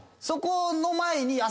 そこの前に。